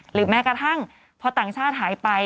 แม้กระทั่งพอต่างชาติหายไป